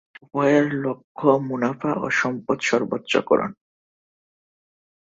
গ. উভয়ের লক্ষ্য মুনাফা ও সম্পদ সর্বোচ্চকরণ